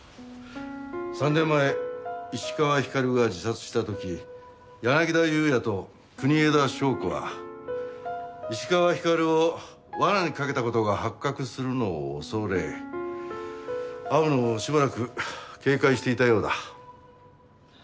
３年前石川光が自殺した時柳田裕也と国枝祥子は石川光を罠に掛けた事が発覚するのを恐れ会うのをしばらく警戒していたようだ。